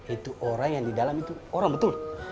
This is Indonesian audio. itu orang yang di dalam itu orang betul